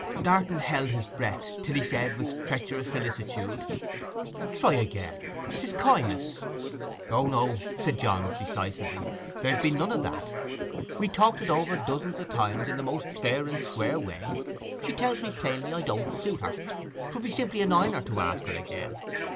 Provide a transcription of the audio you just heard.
Darton held his breath till he said with treacherous solicitude, 'Try again—'tis coyness.' 'O no,' said Johns decisively. 'There's been none of that. We talked it over dozens of times in the most fair and square way. She tells me plainly, I don't suit her. 'Twould be simply annoying her to ask her again.